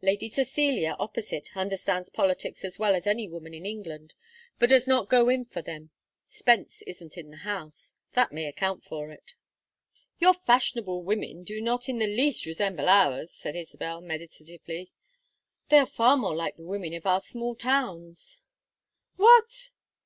Lady Cecilia opposite understands politics as well as any woman in England, but does not go in for them Spence isn't in the House; that may account for it!" "Your fashionable women do not in the least resemble ours," said Isabel, meditatively. "They are far more like the women of our small towns." "What!"